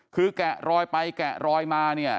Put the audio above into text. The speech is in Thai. คือแกะรอยไปแกะรอยมาเนี่ย